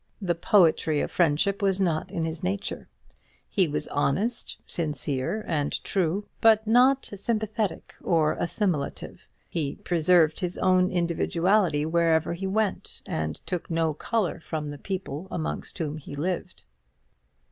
The poetry of friendship was not in his nature. He was honest, sincere, and true, but not sympathetic or assimilative; he preserved his own individuality wherever he went, and took no colour from the people amongst whom he lived.